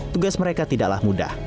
tugas mereka tidaklah mudah